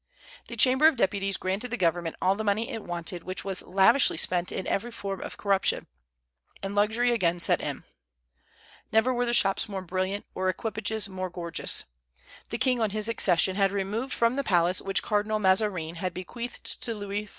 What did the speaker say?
The Chamber of Deputies granted the government all the money it wanted, which was lavishly spent in every form of corruption, and luxury again set in. Never were the shops more brilliant, or equipages more gorgeous. The king on his accession had removed from the palace which Cardinal Mazarin had bequeathed to Louis XIV.